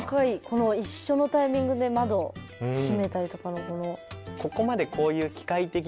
この一緒のタイミングで窓を閉めたりとかのこの。